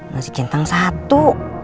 masih centang satu